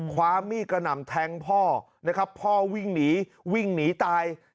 ความมีดกระหน่ำแทงพ่อนะครับพ่อวิ่งหนีวิ่งหนีตาย